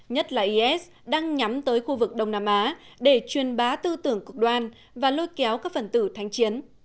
nhất là is đang nhắm tới khu vực đông nam á để chuyên bá tư tưởng cực đoan và lôi kéo các phần tử thành công